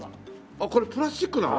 あっこれプラスチックなの？